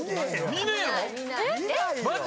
見ないよ。